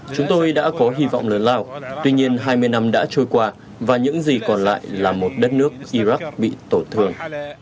chúng tôi đã có hy vọng lớn lao tuy nhiên hai mươi năm đã trôi qua và những gì còn lại là một đất nước iraq bị tổn thương